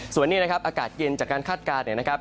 ส่วนนี้นะครับอากาศเย็นจากการคาดการณ์เนี่ยนะครับ